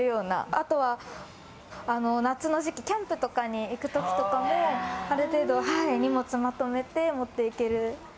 あとは夏の時期、キャンプに行く時とかもある程度、荷物をまとめて持っていける。